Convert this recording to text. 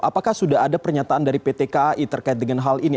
apakah sudah ada pernyataan dari pt kai terkait dengan hal ini